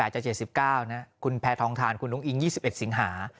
๗๘จาก๗๙นะครับคุณแพทองทานคุณลุ้งอิง๒๑สิงหา